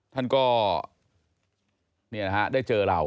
ท่านก็นี่นะครับได้เจอเรา